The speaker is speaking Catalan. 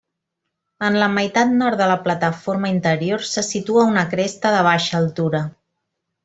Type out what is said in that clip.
En la meitat nord de la plataforma interior se situa una cresta de baixa altura.